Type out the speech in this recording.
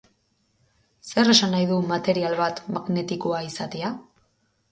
Zer esan nahi du material bat magnetikoa izatea?